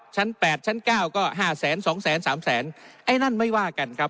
แปดชั้นเก้าก็ห้าแสนสองแสนสามแสนไอ้นั่นไม่ว่ากันครับ